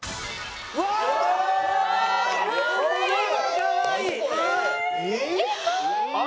かわいい！